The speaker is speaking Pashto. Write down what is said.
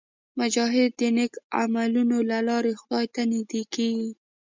مجاهد د نیک عملونو له لارې خدای ته نږدې کېږي.